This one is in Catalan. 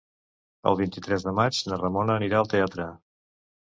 El vint-i-tres de maig na Ramona anirà al teatre.